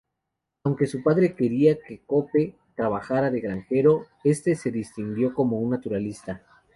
Aunque su padre quería que Cope trabajara de granjero, este se distinguió como naturalista.